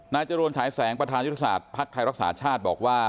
นายเจรวนหายแสงประธานยุทธษาภัทร์ไทยรักษาชาติบอกว่า